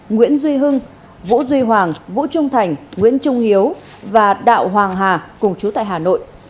nguyễn duy hưng vũ duy hoàng vũ trung thành nguyễn trung hiếu và đạo hoàng hà cùng chú tại hà nội